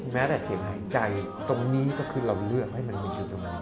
แม้แต่เสียงหายใจตรงนี้ก็คือเราเลือกให้มันเห็นอยู่ตรงนั้น